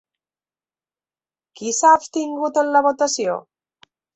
Qui s'ha abstingut en la votació?